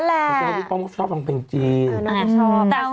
นั่นแหละคุณเจ้าดีป้องก็ชอบตรงนี้จริง